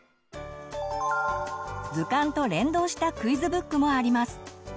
図鑑と連動したクイズブックもあります。